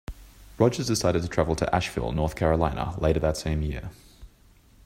Rodgers decided to travel to Asheville, North Carolina, later that same year.